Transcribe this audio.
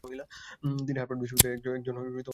তিনি হার্ভার্ড বিশ্ববিদ্যালয়ের একজন অধ্যাপক।